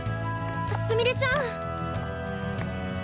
すみれちゃん！